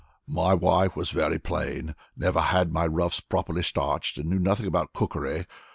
My wife was very plain, never had my ruffs properly starched, and knew nothing about cookery.